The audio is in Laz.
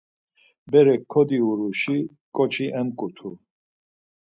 Berek kodiuruşi ǩoçi emǩutu.